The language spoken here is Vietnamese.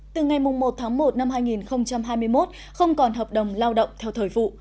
từ ngày một tháng một năm hai nghìn hai mươi một không còn hợp đồng lao động theo thời vụ